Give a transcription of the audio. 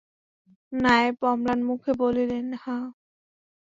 নায়েব অম্লানমুখে বলিলেন, হাঁ।